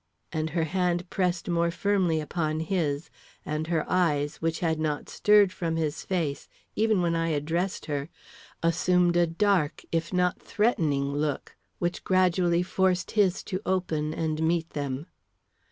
And her hand pressed more firmly upon his, and her eyes, which had not stirred from his face even when I addressed her, assumed a dark, if not threatening look, which gradually forced his to open and meet them.